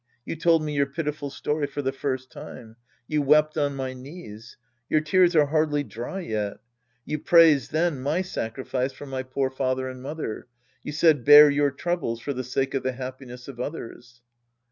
You told me your pitiful story for the first time. You wept on my knges. Your tears are hardly dry yet. You praised, then, my sacrifice for my poor father and mother. You said, " Bear your troubles for the sake of the happiness of others."